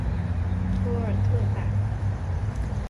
托尔特宰。